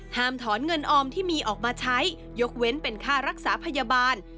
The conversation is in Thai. ถอนเงินออมที่มีออกมาใช้ยกเว้นเป็นค่ารักษาพยาบาล